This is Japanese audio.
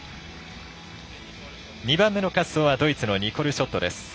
２番目の滑走はドイツのニコル・ショットです。